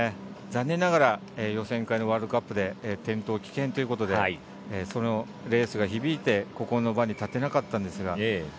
残念ながら予選会のワールドカップで転倒、棄権ということでそのレースが響いてここの場に立てなかったんですが。